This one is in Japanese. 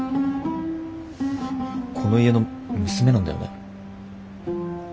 この家の娘なんだよね？